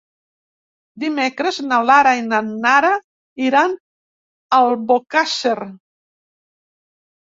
Dimecres na Lara i na Nara iran a Albocàsser.